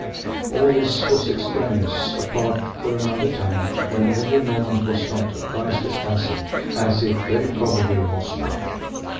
All this was extraneous, apart for another time, when every moment was not a priceless asset as it very probably was now.